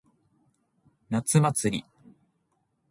夏祭り。